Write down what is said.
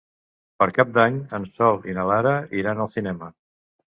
Per Cap d'Any en Sol i na Lara iran al cinema.